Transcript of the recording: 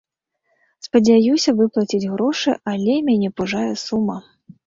Спадзяюся выплаціць грошы, але мяне пужае сума.